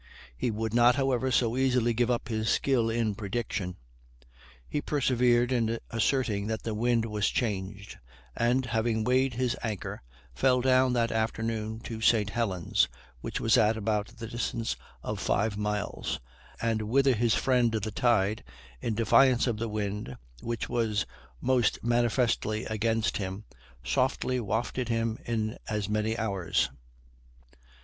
He would not, however, so easily give up his skill in prediction. He persevered in asserting that the wind was changed, and, having weighed his anchor, fell down that afternoon to St. Helen's, which was at about the distance of five miles; and whither his friend the tide, in defiance of the wind, which was most manifestly against him, softly wafted him in as many hours.